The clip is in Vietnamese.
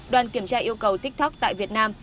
đoàn kiểm tra yêu cầu tiktok tại việt nam